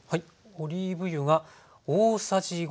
オリーブ油が大さじ５。